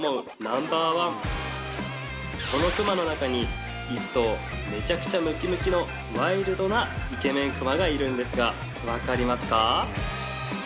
ナンバーワンこのクマの中に１頭めちゃくちゃムキムキのワイルドなイケメンクマがいるんですが分かりますか？